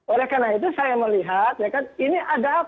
oleh karena itu saya melihat ya kan ini ada apa